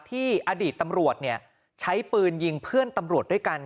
อดีตตำรวจใช้ปืนยิงเพื่อนตำรวจด้วยกัน